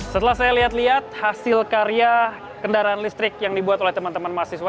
setelah saya lihat lihat hasil karya kendaraan listrik yang dibuat oleh teman teman mahasiswa